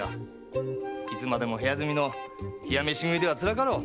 いつまでも部屋住みの冷や飯食いではつらかろう。